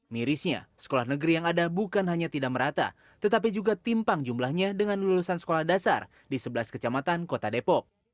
mirisnya sekolah negeri yang ada bukan hanya tidak merata tetapi juga timpang jumlahnya dengan lulusan sekolah dasar di sebelas kecamatan kota depok